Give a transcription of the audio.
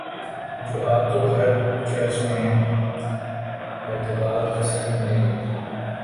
جو آپ کو ہر چرچ میں بتعداد کثیر ملیں گے